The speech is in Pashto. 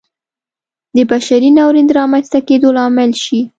د بشري ناورین د رامنځته کېدو لامل شي.